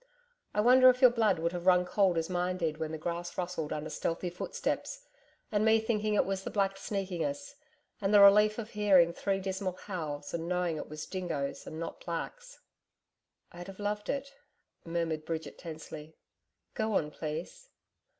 I wonder if your blood would have run cold as mine did when the grass rustled under stealthy footsteps and me thinking it was the blacks sneaking us and the relief of hearing three dismal howls and knowing it was dingoes and not blacks.' 'I'd have loved it' murmured Bridget tensely. 'Go on, please.'